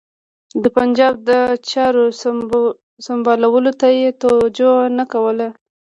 د پنجاب د چارو سمبالولو ته یې توجه نه کوله.